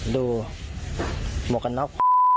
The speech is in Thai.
ดูหมวกกันน๊อก